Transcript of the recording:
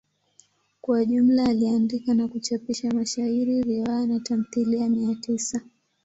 Kwa jumla aliandika na kuchapisha mashairi, riwaya na tamthilia mia tisa.